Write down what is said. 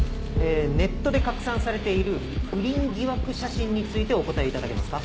ネットで拡散されている不倫疑惑写真についてお答えいただけますか？